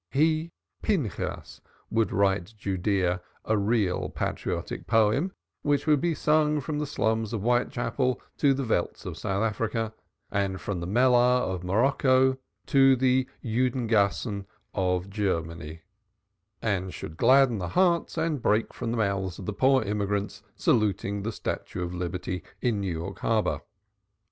He, Pinchas, would write Judaea a real Patriotic Poem, which should be sung from the slums of Whitechapel to the Veldts of South Africa, and from the Mellah of Morocco to the Judengassen of Germany, and should gladden the hearts and break from the mouths of the poor immigrants saluting the Statue of Liberty in New York Harbor.